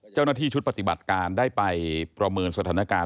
เจ้าหน้าที่ชุดปฏิบัติการได้ไปประเมินสถานการณ์